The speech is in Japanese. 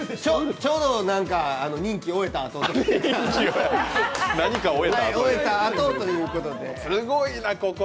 ちょうど任期を終えたあとということで。